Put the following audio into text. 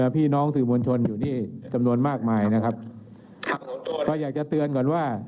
พี่น้องสื่อมวลชนอยู่นี่จำนวนมากมายนะครับก็อยากจะเตือนก่อนว่า